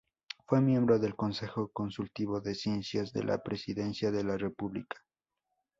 Fue miembro del Consejo Consultivo de Ciencias de la Presidencia de la República.